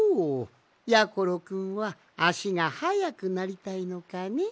やころくんはあしがはやくなりたいのかね？